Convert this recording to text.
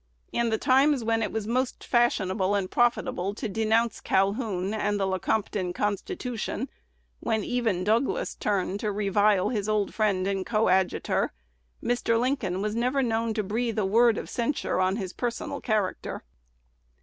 In the times when it was most fashionable and profitable to denounce Calhoun and the Le compton Constitution, when even Douglas turned to revile his old friend and coadjutor, Mr. Lincoln was never known to breathe a word of censure on his personal character.